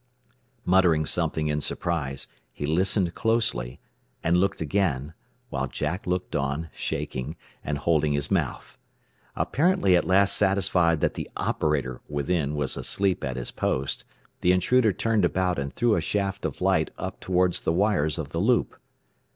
Muttering something in surprise, he listened closely, and looked again, while Jack looked on, shaking, and holding his mouth. Apparently at last satisfied that the "operator" within was asleep at his post, the intruder turned about and threw a shaft of light up toward the wires of the loop.